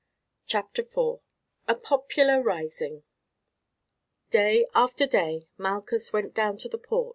CHAPTER IV: A POPULAR RISING Day after day Malchus went down to the port.